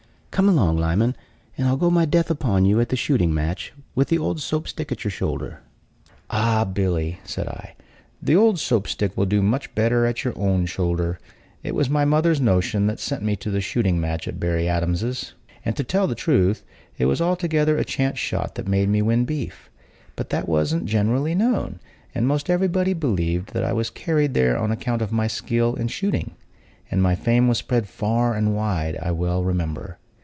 Come along, Lyman, and I'll go my death upon you at the shooting match, with the old Soap stick at your shoulder." "Ah, Billy," said I, "the old Soap stick will do much better at your own shoulder. It was my mother's notion that sent me to the shooting match at Berry Adams's; and, to tell the honest truth, it was altogether a chance shot that made me win beef; but that wasn't generally known; and most everybody believed that I was carried there on account of my skill in shooting; and my fame was spread far and wide, I well remember.